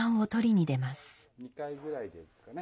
２回ぐらいでいいですかね。